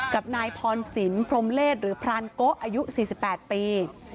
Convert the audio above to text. กับนายพรสินพรมเลศหรือพรานโกะอายุ๔๘ปี